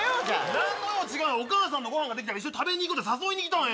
なんの用、違う、お母さんのごはんが出来たから一緒に食べに行こうって誘いにきたんや。